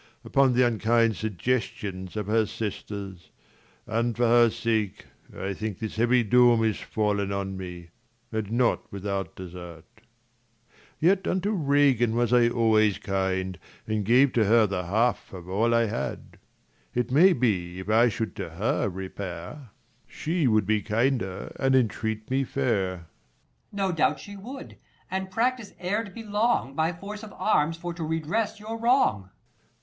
Upon th' unkind suggestions of her sisters : And for her sake, I think this heavy doom Is fallen on me, and not without desert : ^Yet unto Raganjwas I always .kind, 100 And gave to her the half of all I had : It may be, if I should to her repair, 3 8 KING LEIR AND [ ACT III She would be kinder, and entreat me fair. Per. No doubt she would, and practise ere't be long, By force of arms for to redress your wrong.